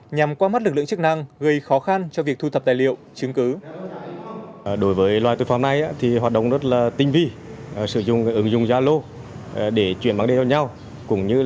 nhằm qua mắt lực lượng chức năng gây khó khăn cho việc thu thập tài liệu chứng cứ